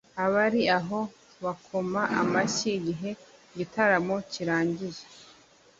Abari aho bakoma amashyi igihe igitaramo kirangiye